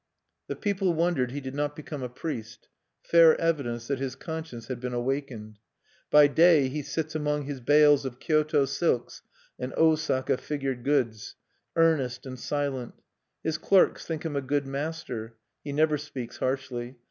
The people wondered he did not become a priest, fair evidence that his conscience had been awakened. By day he sits among his bales of Kyoto silks and Osaka figured goods, earnest and silent. His clerks think him a good master; he never speaks harshly.